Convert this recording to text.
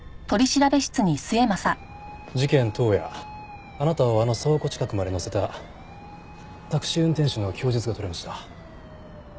事件当夜あなたをあの倉庫近くまで乗せたタクシー運転手の供述が取れました。